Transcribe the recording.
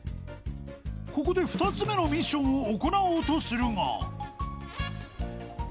［ここで２つ目のミッションを行おうとするが］